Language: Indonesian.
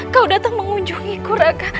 kau datang mengunjungiku raka